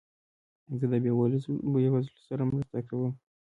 زه د بېوزلو سره مرسته کوم.